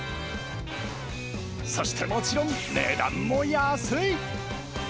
そしてもちろん、値段も安い。